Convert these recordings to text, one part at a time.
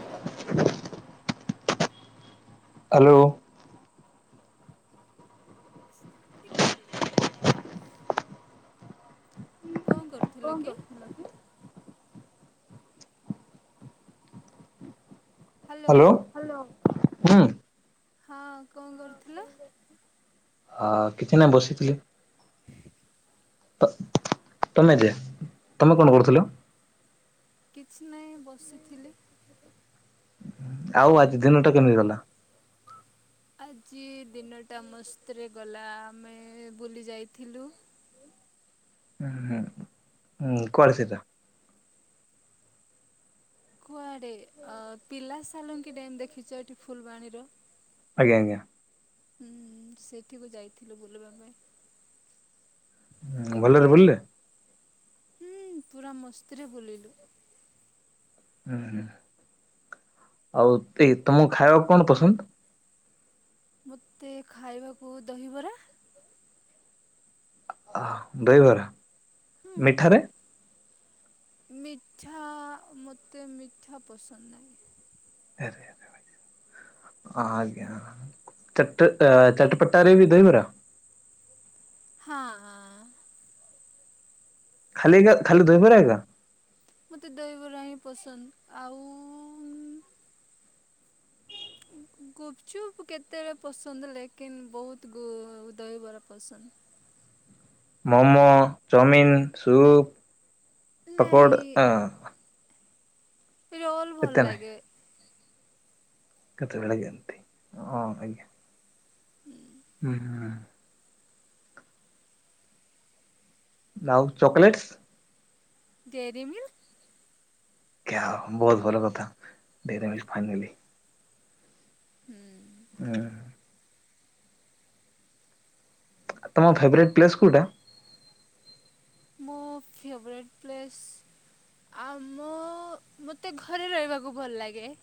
Hello hello ଟିଂ କେଣ୍ଡେଗ କଣ କରୁଥିଲ କି? ହ୍ୟାଲୋ ହଁ ହଁ କଣ କରୁଥିଲା? ଆ କିଛି ନାହିଁ ବସିଥିଲି ତ ତମେ ଯେ ତମେ କଣ କରୁଥିଲ କିଛି ନାହିଁ ବସିଥିଲି ଆଉ ଆଜି ଦିନ ଟ କେମିତିରଲା ଆଜି ଦିନଟା ମସ୍ତରେ ଗଲା ଆମେ ବୁଲି ଯାଇଥିଲୁ। ହ ହ ହ କୁଆଡେ ସା କୁଆଡେ ଅ ପିଲା ସାଲଙ୍କି ଡ୍ୟାମ୍ ଦେଖିଛ ଏଠି ଫୁଲବାଣୀର ଆଜ୍ଞା ଆଜ୍ଞା ହୁଁ ସେଠିକୁ ଯାଇଥିଲୁ ବୁଲିବା ପାଇଁ ଭଲରେ ବୁଲିଲେ ହୁଁ ପୁରା ମସ୍ତିରେ ଭୁଲିଲୁ ହୁଁ ହୁଁ ଆଉ ଏହି ତମକୁ ଖାଇବାକୁ କଣ ପସନ୍ଦ ମୋତେ ଖାଇବାକୁ ଦହିବରା ଆହ୍ ଦହିବରା ହୁଁ ମିଠାରେ ମିଠା ମୋତେ ମିଠା ପସନ୍ଦ ନାହିଁ ଆରେ ଆରେ ଭା ଇ ଆଜ୍ଞା ଚଟ ଏ ଚଟପଟାରେ ବି ଦହିବରା ହଁ ହଁ ଖାଲି ଏକା ଖାଲି ଦହିବାରା ଏକା ମତେ ଦହିବରା ହିଁ ପସନ୍ଦ ଆଉ ଗୁପଚୁପ୍ କେତେବେଳେ ପସନ୍ଦ ଲେକିନ୍ ବହୁତ ଗୁ ଦହିବରା ପସନ୍ଦ। ମୋମୋ, ଚାଉମିିନ, ସୁପ ନାଇଁ ପକୋଡ଼ ଆ। ରୋଲ ଭଲ ଲାଗେ। କେତେବେଳେ କେନ୍ତି ହଁ ଆଜ୍ଞା। ହୁଁ [unintelligible] ହୁଁ ହୁଁ। ଆଉ ଚକଲେଟ୍ସ୍? ଡେରି ମିଲ୍କ। କ୍ୟା ଆଉ ବହୁତ ଭଲ କଥା ଡେରି ମିଲ୍କ ଫ୍ୟାମିଲି। ହୁଁ। ଆଁ। ତମ ଫେବରେଟ୍ ପ୍ଲେସ କେଉଟା? ମୋ ଫେଭରାଇଟ ପ୍ଲେସ୍ ଆମ ମୋତେ ଘରେ ରହିବାକୁ ଭଲ ଲାଗେ।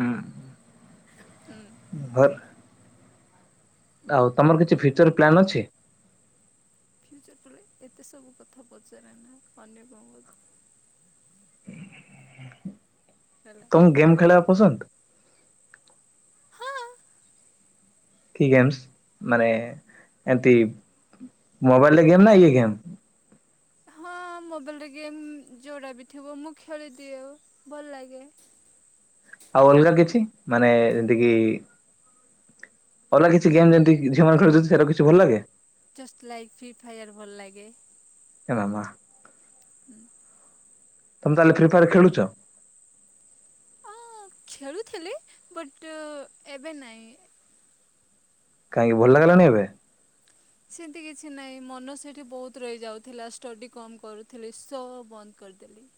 ଉଁ। ହୁଁ। ଆଉ ତମର କିଛି ଫ୍ୟୁଚର ପ୍ଲାନ୍ ଅଛି? ଫ୍ୟୁଚର ପ୍ଲାନ୍ ଏତେ ସବୁ କଥା ପଚାରନା ଅନ୍ୟ କଣ ପଚାର? ହେଲା। ତମକୁ ଗେମ୍ ଖେଳିବା ପସନ୍ଦ? କି ଗେମସ୍ ମାନେ ଏମତି ମୋବାଇଲରେ ଗେମ୍ ନା ଇଏ ଗେମ୍? ହଁ ମୋବାଇଲରେ ଗେମ୍ ଯୋଡା ବି ଥିବ ମୁଁ ଖେଳିଦିଏ ଭଲ ଲାଗେ। ଆଉ ଅଲଗା କିଛି ମାନେ ଯେମତି କିି ଅଲଗା କିଛି ଗେମ୍ ଯେମତି କି ଝିଅମାନେ ଖେଳୁଛନ୍ତି ସେଇଡ଼ା କିଛି ଭଲ ଲାଗେ? ଜଷ୍ଟ ଲାଇକ୍ ଫି ଫାୟାର ଭଲ ଲାଗେ। ଏ ମାମା। ତମେ ତାହେଲେ ଫ୍ରି ଫାୟାର ଖେଳୁଛ? ହଁ ଖେଳୁଥିଲି ବଟ ଏବେ ନାଇଁ। କାହିଁକି ଭଲ ଲାଗିଲାନି ଏବେ? ସେମତି କିଛି ନାହିଁ ମନ ସେଇଠି ବହୁତ ରହିଯାଉଥିଲା ଷ୍ଟଡି କମ କରୁଥିଲି ସୋ ବନ୍ଦ କରିଦେଲି।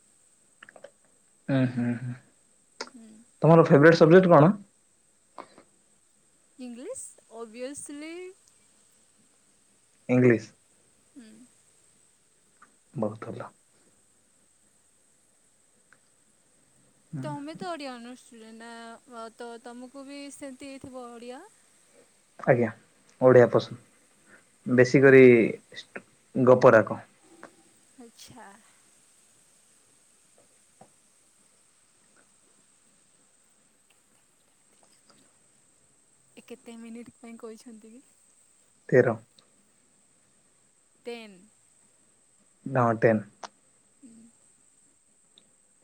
ଉଁ ହୁଁ ହୁଁ। ହୁଁ ତମର ଫେବରେଟ୍ ସବଜେକ୍ଟ କଣ? English obviously English. ଉଁ। ବହୁତ ଭଲ। ତମେତ ଓଡ଼ିଆ ଅନର୍ସ ରେ ନାଁ ବହୁତ ତ ତୁମକୁ ବି ସେମିତି ହେଇଥିବ ଓଡ଼ିଆ। ଆଜ୍ଞା ଓଡ଼ିଆ ପସନ୍ଦ। ବେଶୀ ହୁଁ କରି ଷ୍ଟୁ ଉଁଗୋପ ରାକ। ଆଚ୍ଛା। ଏ କେତେ ମିନିଟ ପାଇଁ କହିଛନ୍ତି କି? ତେର। ଟେନ୍। ନଅ ଟେନ୍।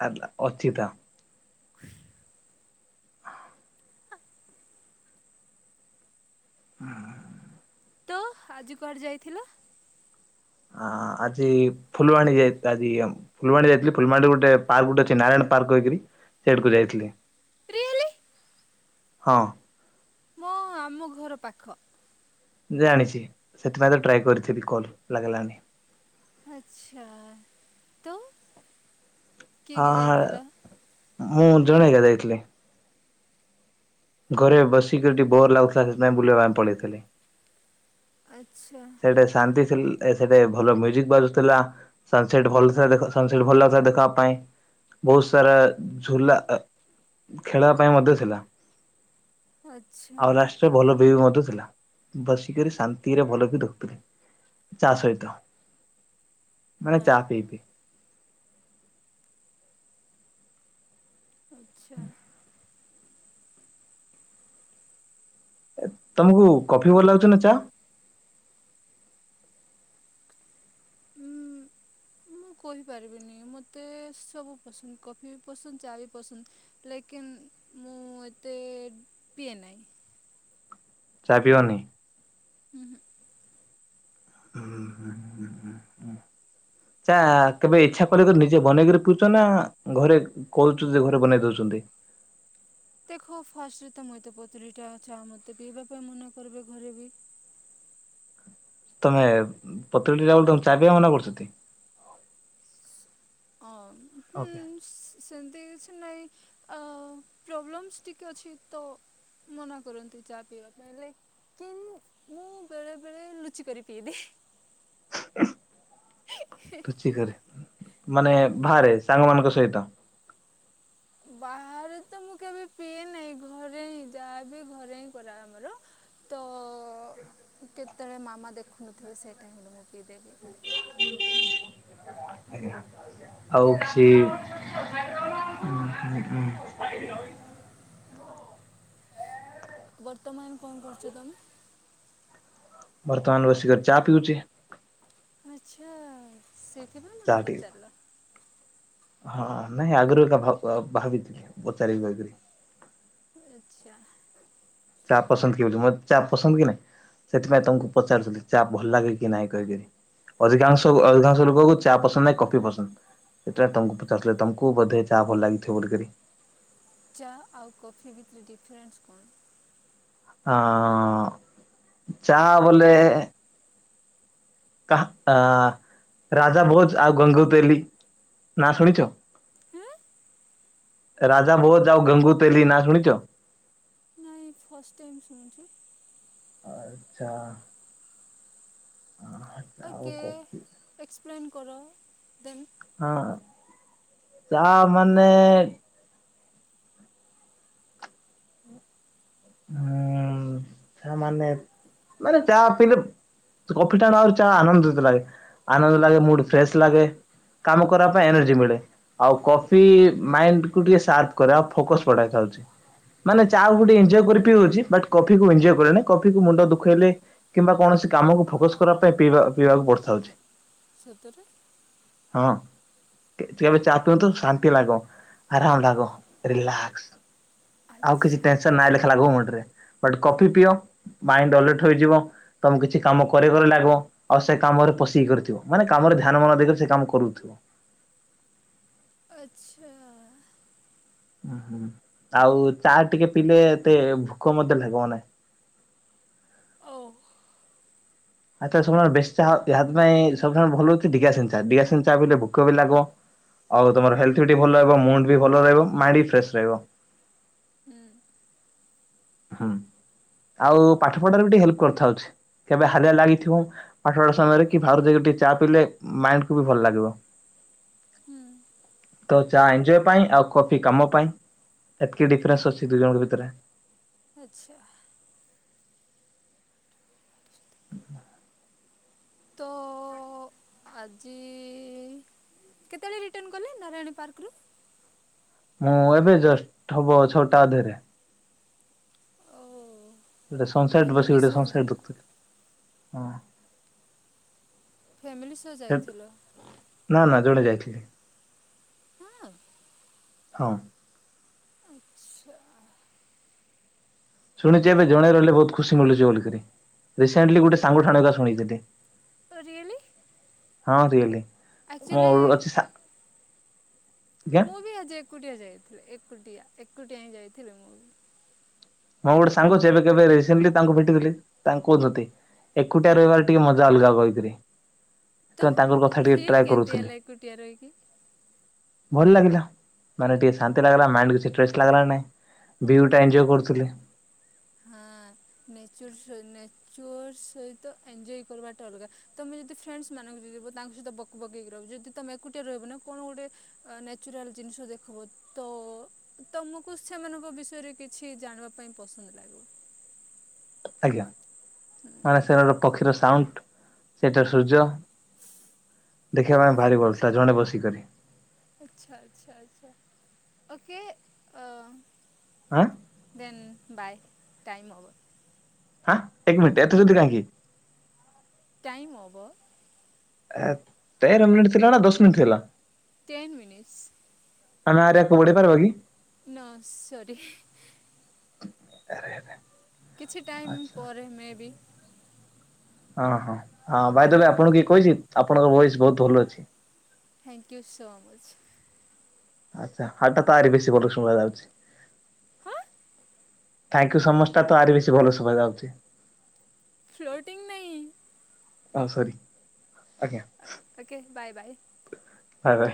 ଆରିଲା ଅର୍ଚିତା। [unintelligible] ହଁ। ତ ଆଜି କୁଆଡେ ଯାଇଥିଲ। ଆ ଆଜି ଫୁଲବାଣୀ ଆଜି ଫୁଲବାଣୀ ଯାଇଥିଲି ଫୁଲବାଣୀରୁ ଗୋଟେ ପାର୍କ ଗୋଟେ ଅଛି ନାରାୟଣ ପାର୍କ ହେଇକିରି ସେଇଠିକୁ ଯାଇଥିଲି। ରିଏଲି ହଁ। ମୁଁ ଆମ ଘର ପାଖ। ଜାଣିଛି ସେଥିପାଇଁ ତ ଟ୍ରାଏ କରିଥିଲି କଲ ଲାଗିଲାନି। ଆଚ୍ଛା ତୋ। କିଏ ହଁ କିଏ ଯାଇଥିଲ। ମୁଁ ଜଣେ ଏକା ଯାଇଥିଲି। ଘରେ ବସିକିରି ଟିକେ ବୋର ଲାଗୁଥିଲା ସେଥିପାଇଁ ବୁଲିବା ପାଇଁ ପଳେଇଥିଲେ। ଆଚ୍ଛା ସେଟା ଶାନ୍ତି ଥି। ସେଠେ ଭଲ ମ୍ୟୁଜିକ୍ ବାଜୁଥିଲା ସନ୍ ସେଟ୍ ଭଲଥିଲା ସନ ସେଟ୍ ଭଲଥିଲା ଦେଖିବା ପାଇଁ ବହୁତ ସାରା ଝୁଲା ଖେଳିବା ପାଇଁ ମଧ୍ୟ ଥିଲା। ଆଚ୍ଛା ଆଉ ଲାଷ୍ଟ ରେ ଭଲ। ବି ମଧ୍ୟ ଥିଲା ବସିକିରି ଶାନ୍ତିରେ ଭଲ ବି। ଚା ସହିତ। ମାନେ ହଁ ଚାହା ପିଇ ପିଇ। ଆଛା। ତମକୁ କଫି ଭଲ ଲାଗୁଛ ନା ଚା। ଉଁ ମୁଁ କହିପାରିବିନି ମତେ ସବୁ ପସନ୍ଦ କଫି ବି ପସନ୍ଦ ଚା ବି ପସନ୍ଦ ଲେକିନ୍ ମୁଁ ଏତେ ପିଏ ନାହିଁ। ଚା ପିଅନି। ହୁଁ ହୁଁ। ଚା କେବେ ଇଛା କରିକରି ନିଜେ ବନେଇକିରି ପିଉଛ ନା ଘରେ କହୁଛ ଯେ ଘରେ ବନେଇ ଦଉଛନ୍ତି। ଦେଖ ଫାଷ୍ଟରେ ତ ମୁଇତ କୋତରି ଟା ଆଚ୍ଛା ମତେ ପିଇବା ପାଇଁ ମନା କରିବେ ଘରେ ବି। ତମେ ପତଳୀ ଟା ବୋଲି ଚା ପିଇବନି ମୋର ସାଥେ। ହଁ ହୁଁ ସେମତି। କିଛି ନାଇଁ ଅ ପ୍ରୋବ୍ଲେମ୍ସ ଟିକେ ଅଛି ତ ମନା କରନ୍ତି ଚା ପିଇବା ପାଇଁ ହେଲେ କିନ୍ ମୁଁ ବେଳେ ବେଳେ ଲୁଚିିକରି ପିଇଦିଏ। ପୁଚିକ। ମାନେ ହଁ ବାହାରେ ସାଙ୍ଗମାନାନଙ୍କ ସହ। ସେଇଟା। ବାହାରେ ତ ମୁଁ କେବେ ପିଏ ନାଇଁ ଘରେ ହିଁ ଯାହାବି ଘରେ ହିଁ କରା ଆମର ତ କେତେବେଳେ ମାମା ଦେଖୁନଥିବେ ସେଇ ଟାଇମରେ ମୁଁ ପିଇଦେବି। ଆଜ୍ଞା ଆଉ କିଛି ବର୍ତ୍ତମାନ କଣ କରୁଛ ତମେ? ବର୍ତ୍ତମାନ ବସିିକରି ଚା ପିଉଚି। ଆଚ୍ଛା ସେ କେବେ ଚା ମତେ ଟିକେ ପଚାରିଲ? ହଁ ନାଇଁ ଆଗରୁ ଭାବିଥିଲି ପଚାରିବି ଭାବିଥିଲି। ଆଚ୍ଛା ଚା ପସନ୍ଦ କି ବୋଲି ମତେ ଚା ପସନ୍ଦ କି ନାଇଁ ସେଥିପାଇଁ ତମକୁ ପଚାରୁଛନ୍ତି ଚା ଭଲ ଲାଗେ କି ନାଇଁ କହିକିରି ଅଧିକାଂଶ ହଉ। ଅଧିକାଂଶ ଲୋକକୁ ଚା ପସନ୍ଦ ନା ଏ କଫି ପସନ୍ଦ ଏଟା ତମକୁ ପଚାରିଥିଲି ତମକୁ ବୋଧେ ଚା ଭଲ ଲାଗିଥିବ ବୋଲି ଦେଲି। ଚା ଆଉ କଫି ଭିତରେ ଡିଫରେନ୍ସ କଣ? ଆ ଚା ବଲେ କାହା ରାଜା ଭୋଜ ଆଉ ଗଙ୍ଗୁ ତେଲି ନାଁ ଶୁଣିଛ ହୁଁ ରାଜା ବୋଜ୍ ଯାଉ ଗଙ୍ଗୁ ତେଲି ନାଁ ଶୁଣିଛ ନାଇଁ ଫାଷ୍ଟ ଟାଇମ୍ ଶୁଣୁଛି। ଆଛା ଓକେ କଫି ଏ ପ୍ଲେନ୍ କର ଦେନ୍ ହଁ ତା ମାନେ ଉଁ ଚା ମାନେ ମାନେ ଚା ପିଇଲେ କଫି ଟାଣ ଆ ଚା ଆନନ୍ଦିତ ଲାଗେ ଆନନ୍ଦ ଲାଗେ ମୁଡ୍ ଫ୍ରେଶ ଲାଗେ କାମ କରିବା ପାଇଁ ଏନର୍ଜି ମିଳେ ଆଉ କଫି ମାଇଣ୍ଡ କୁ ଟିକେ ସାର୍ପ କରେ ଆଉ ଫୋକ ବଢାଏ ଚା ହଉଚି ମାନେ ଚା କୁ ଟିକେ ଏଞ୍ଜୟ କରି ପିଉଛି ବଟ୍ କଫି କୁ ଏଞ୍ଜୟ କରିଆର ନାହିଁ କଫି କୁ ମୁଣ୍ଡ ଦୁଃଖ ହେଲେ କିମ୍ବା କୌଣସି କାମକୁ ଫୋକସ୍ କରିବା ପାଇଁ ପିଇବାକୁ ପିଇବାକୁ ପଡିଥାଏ। ସତରେ ହଁ କେବେ ଚା ପିଅନ୍ତୁ ଶାନ୍ତି ଲାଗିବ ଆରାମ ଲାଗିବ ରିଲାକ୍ସ। ଆଉ କିଛି ଆଚ୍ଛା ଟେନସନ ନାହିଁ ଲେଖା ଲାଗବ ମୁଣ୍ଡରେ। ବଟ କଫି ପିଅ ମାଇଣ୍ଡ ଆଲର୍ଟ ରହିଯିବ ତମକୁ କିଛି କାମ କରେ କରିରେ ଲାଗିବ ଆଉ ସେ କାମରେ ପଶେଇ କରିଥିବ ମାନେ କାମରେ ଧ୍ୟାନ ମନ ଦେଇକ ସେ କାମ କରୁଥିବ। ଆଛା ହୁଁ ଆଉ ଚା ଟିକେ ପିଇଲେ ଏତେ ଭୋକ ମଧ୍ୟ ଲାଗିବ ନାହିଁ। ଓ ଆଚ୍ଛା ଶୁଣ ବେଶୀ ଚା [inaudible] ସବୁଠ ଭଲ ହଉଛି ଭୋକ ବି ଲାଗିବ ଆଉ ତମର ହେଲଥ ବି ଭଲ ରହିବ ମୁଣ୍ଡ ବି ଭଲ ରହିବ ଏବଂ ମାଇଣ୍ଡ ବି ଫ୍ରେସ୍ ରହିବ। ହୁଁ ହୁଁ ଆଉ ପାଠ ପଢାରେ ଟିକେ ହେଲ୍ପ କରିଥାଉଚି କେବେ ହାଲିଆ ଲାଗିଥିବ ପାଠ ପଢା ସମୟରେ କି ବାହାରୁ ଯାଇକି ଟିକେ ଚା ପିଇଲେ ମାଇଣ୍ଡ କୁୁ ବି ଭଲ ଲାଗିବ। ହୁଁ ତ ଚା ଏଞୟ ପାଇଁ ଆଉ କଫି କାମ ପାଇଁ ଏତିକି ଡିଫରେନ୍ସ ଅଛି ଦୁଇ ଜଣଙ୍କ ଭିତରେ ଆଛା ତ ଆଜି କେତେବେଳେ ରିଟର୍ଣ୍ଣ କଲେ ନାରାୟଣୀ ପାର୍କରୁ ମୁଁ ଏବେ ଜଷ୍ଟ ହବ ଛଅଟା ଅଧେରେ ଓ ଗୋଟେ ସନ୍ ସେଟ୍ ବସି ଫ୍ୟାମିଲି ଗୋଟେ ସହ ସନ୍ ଯାଇ ସେଟ୍ ଦେଖୁଥିଲି। ହଁ ଫ୍ୟାମିଲି ସହ ସେଟ୍ ଯାଇଥିଲ ନା ନା [inaudible] ହଁ ହଁ ଆଛା ଶୁଣିଛି ଏବେ ଜଣେ ରହିଲେ ବହୁତ ଖୁସି ମିଳୁଛି ବୋଲିକରି ରିସେଣ୍ଟଲି ଗୋଟେ ସାଙ୍ଗଠାଣିକା ଶୁଣଥିଲି। ଓ ରିଏଲି ହଁ ରିଏଲି ଆକ୍ଚଲି ମୋର ଅଛି ସା ଆଜ୍ଞା ମୁଁ ବି ଅଜି ଏକୁଟିଆ ଯାଇଥିଲେ ଏକୁଟିଆ ଏକୁଟିଆ ହିଁ ଯାଇଥିଲେ ମୁଁ ମୁଁ ଗୋଟେ ସାଙ୍ଗ ସେ ଚେବେ କେବେ ରିସେଣ୍ଟଲି ତାଙ୍କୁ ଭେଟିଥିଲି। ତାଙ୍କୁ କହୁଚନ୍ତି ଏକୁଟିଆ ରହିବାର ଟିକେ ମଜା ଅଲଗା କହିଥିଲି। ତୋ ଫିଲ୍ କେନ୍ତି ହେଲା ଏକୁଟିଆ ରୁହିକି? ଭଲ ଲାଗିଲା ମାନେ ଟିକେ ଶାନ୍ତି ଲାଗିଲା। ମାଇଣ୍ଡ କି୍ଛି ଟ୍ରେସ୍ ଲାଗିଲା ନାଇଁ। ଭିୱେ ଟା ଏଞ୍ଜୟ୍ କରୁଥିଲି। ହଁ ନେଚର ସ ନେଚର ସହିତ ଏଞଜୟ କରିବାଟା ଅଲଗା। ତମେ ଯଦି ଫ୍ରେଣ୍ଡସ ମାନଙ୍କ ସହ ଯିବ ତାଙ୍କ ସହିତ ବକ ବକ ହେଇ ରହିବ। ଯଦି ତମେ ଏକୁଟିଆ ରହିବ ନା କଣ ଗୋଟେ ନେଚୁରାଲ ଜିନିଷ ଦେଖିବ। ତ ତମକୁ ସେମାନଙ୍କ ବିଷୟରେ କିଛି ଜାଣିବା ପାଇଁ ପସନ୍ଦ ଲାଗିବ ଆଜ୍ଞା। [inaudible] ମାନେ ହୁଁ ସେ ଗୋଟେ ପକ୍ଷୀର ସାଉଣ୍ଡ ସେଟା ସୂର୍ଯ୍ୟ ଦେଖିବା ପାଇଁ ଭାରି ଭଲଥିଲା ଜଣେ ବସିକରି। ଆଚ୍ଛା ଆଚ୍ଛା ଆଚ୍ଛା ଓକେ ଅ ଆଁ [inaudible] ଦେନ୍ ବାଏ। Time over. [inaudible] ହଁ ଏକ ମିନିଟ୍ ଏତେ ଜିଦି କାହିଁକି? ଟାଇମ୍ ଓଭ। ଏ ତେର ମିନିଟ୍ ଥିଲା ନା ଦଶ ମିନିଟ୍ ଥିଲା? Ten minutes. ଆମେ ଆରେୟା କୁ ବୁଡି ପାରିବ କି? ନୋ ସରି ହି [inaudible] ଆରେ ଆରେ କିଛି ଟାଇମ ଆଚ୍ଛା ପରେ ମେ ବି ଅଁ ହଁ ହଁ ବାଇଦବେ ଆପଣ କିଏ କହିଚି? ଆପଣଙ୍କର ଭଏସ ବହୁତ ଭଲ ଅଛି। [inaudible] Thank you so much. ଆଚ୍ଛା ହାଟ୍ ଟା ତାରି ବେଶୀ ଭଲ ଶୁଣାଯାଉଚି। ହଁ ଥାଙ୍କୟୁ ସୋମଚ ତା ଟ ଆରି ବେଶୀ ଭଲ ଶୁଭାଯାଉଚି। ଫ୍ଲୋଟିଂ। [unintelligible] ଓ ସରି [inaudible] okay bye bye. Bye bye.